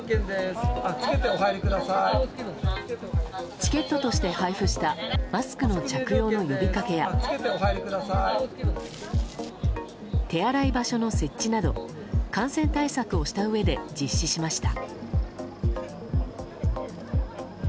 チケットとして配布したマスクの着用の呼びかけや手洗い場所の設置など感染対策をしたうえで実施しました。